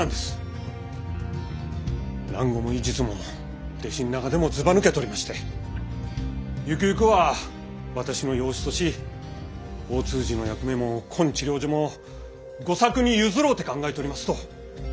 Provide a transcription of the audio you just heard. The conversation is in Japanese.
蘭語も医術も弟子ん中でもずばぬけとりましてゆくゆくは私の養子とし大通詞の役目もこん治療所も吾作に譲ろうて考えとりますと。